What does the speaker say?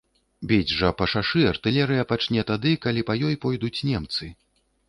Біць жа па шашы артылерыя пачне тады, калі па ёй пойдуць немцы.